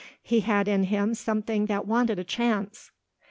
He had in him something that wanted a chance.